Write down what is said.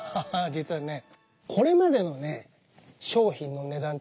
実はね